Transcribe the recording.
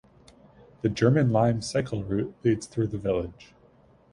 The German Limes Cycle Route leads through the village.